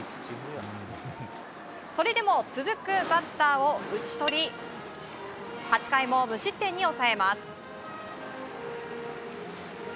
それでも続くバッターを打ち取り８回も無失点に抑えます。